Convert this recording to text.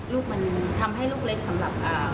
ลูกมันทำให้ลูกเล็กสำหรับ